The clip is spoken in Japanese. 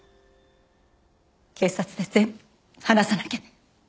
警察で全部話さなきゃね。